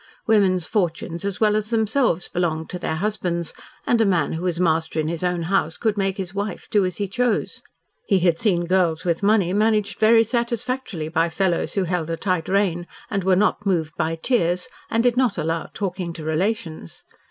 Women's fortunes as well as themselves belonged to their husbands, and a man who was master in his own house could make his wife do as he chose. He had seen girls with money managed very satisfactorily by fellows who held a tight rein, and were not moved by tears, and did not allow talking to relations.